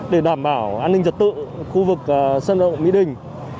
để đảm bảo an ninh trật tự khu vực sân động mỹ đình